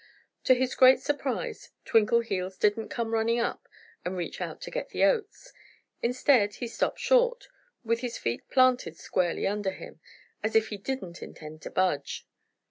To his great surprise, Twinkleheels didn't come running up and reach out to get the oats. Instead, he stopped short, with his feet planted squarely under him, as if he didn't intend to budge.